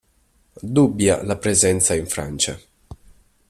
Dubbia la presenza in Francia.